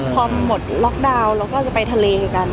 พอหมดล็อคดาวน์แล้วก็จะไปทะเลด้วยกัน